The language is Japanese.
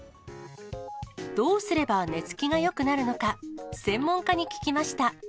どうすれば寝つきがよくなるのか、専門家に聞きました。